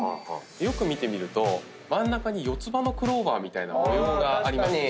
よく見てみると真ん中に四つ葉のクローバーみたいな模様がありますでしょ。